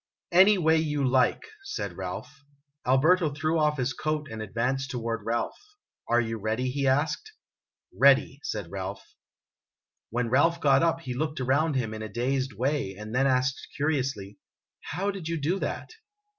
"Any way you like," said Ralph. Alberto threw off his coat and advanced toward Ralph. " Are you ready?" he asked. "Ready," said Ralph. When Ralph got up he looked around him in a dazed way, and then asked curiously, " How did you do that